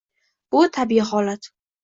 Bu – tabiiy holat.